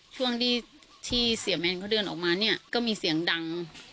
ช่วงที่เสียแมนเขาเดินออกมาเนี่ยก็มีเสียงดัง